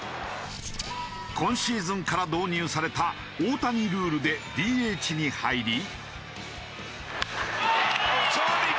今シーズンから導入された大谷ルールでＤＨに入り。